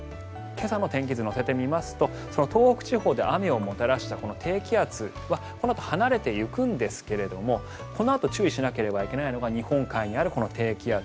今朝の天気図を乗せてみますと東北地方で雨をもたらした低気圧はこのあと離れていくんですがこのあと注意しなければいけないのが日本海にある低気圧。